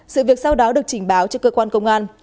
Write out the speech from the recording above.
sự việc sau đó được trình báo cho cơ quan công an